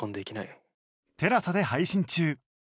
ＴＥＬＡＳＡ で配信中